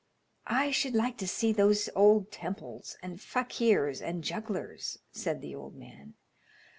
"I should like to see those old temples and fakirs and jugglers," said the old man.